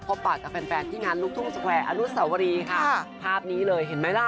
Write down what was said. ปากกับแฟนแฟนที่งานลูกทุ่งสแควร์อนุสวรีค่ะภาพนี้เลยเห็นไหมล่ะ